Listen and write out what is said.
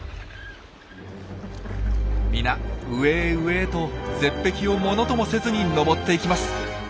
みな上へ上へと絶壁をものともせずに登っていきます。